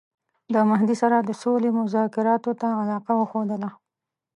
د مهدي سره د سولي مذاکراتو ته علاقه وښودله.